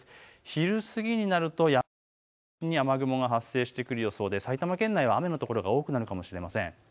昼過ぎになると山沿いを中心に雨雲が発生してくる予想で埼玉県内など雨が降る所が多くなるかもしれません。